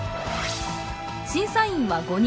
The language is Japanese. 審査員は５人。